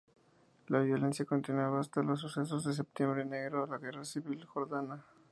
La violencia continuaba hasta los sucesos de Septiembre Negro, la guerra civil jordana.